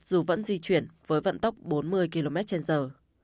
dù vẫn di chuyển với vận tốc bốn mươi km trên giờ